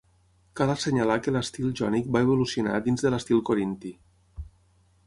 Cal assenyalar que l'estil jònic va evolucionar dins de l'estil corinti.